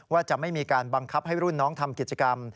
ว่าจะไม่มีการบังคับให้รุ่นน้องทำกิจกรรม